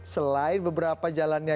selain beberapa jalannya